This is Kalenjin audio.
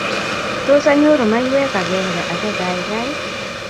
Tos, anyoru maywek agenge age, gaigai?